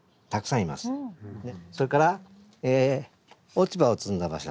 それから落ち葉を積んだ場所